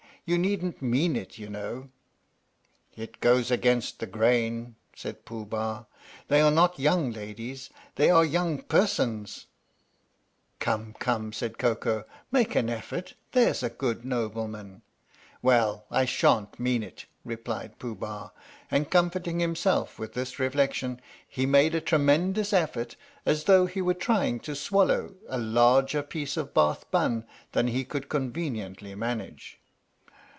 You needn't mean it, you know." 11 It goes against the grain," said Pooh Bah. "They are not young ladies, they are young persons." 43 THE STORY OF THE MIKADO "Come, come," said Koko, "make an effort, there 's a good nobleman/' "Well I shan't mean it," replied Pooh Bah. And, comforting himself with this reflection, he made a tremendous effort as though he were trying to swallow a larger piece of Bath bun than he could conveniently manage.